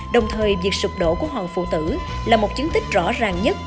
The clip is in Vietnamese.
đồng thời việc sụp đổ của hòn phụ tử là một chứng tích rõ ràng nhất